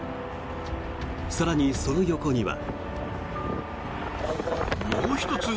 更に、その横には。